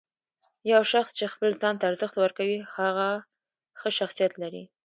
یو شخص چې خپل ځان ته ارزښت ورکوي، هغه ښه شخصیت لري.